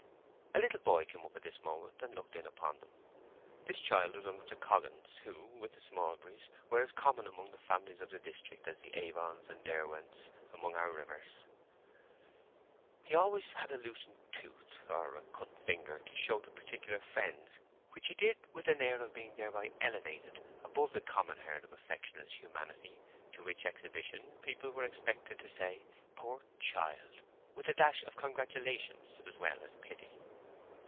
A little boy came up at this moment and looked in upon them. This child was one of the Coggans, who, with the Smallburys, were as common among the families of this district as the Avons and Derwents among our rivers. He always had a loosened tooth or a cut finger to show to particular friends, which he did with an air of being thereby elevated above the common herd of afflictionless humanity—to which exhibition people were expected to say "Poor child!" with a dash of congratulation as well as pity.